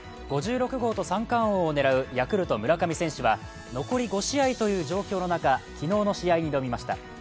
５６号と三冠王を狙うヤクルト・村上選手は残り５試合という状況の中、昨日の試合に挑みました。